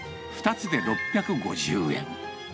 ２つで６５０円。